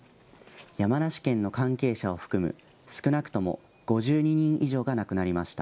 山梨県の関係者を含む少なくとも５２人以上が亡くなりました。